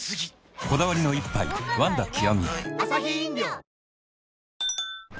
こだわりの一杯「ワンダ極」